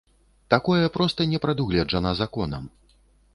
Такое проста не прадугледжана законам.